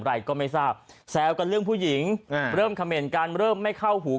อะไรก็ไม่ทราบแซวกันเรื่องผู้หญิงเริ่มเขม่นกันเริ่มไม่เข้าหู